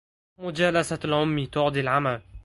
مجالسة العمي تعدي العمى